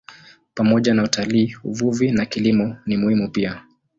Pamoja na utalii, uvuvi na kilimo ni muhimu pia.